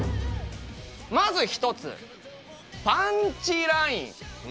まず１つ、パンチライン。